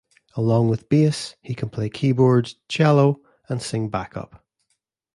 Along with bass, he can play keyboards, cello, and sing back up.